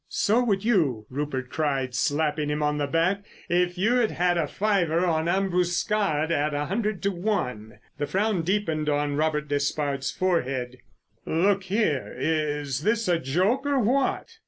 "So would you," Rupert cried, slapping him on the back, "if you had had a fiver on Ambuscade at a hundred to one." The frown deepened on Robert Despard's forehead. "Look here, is this a joke or what?"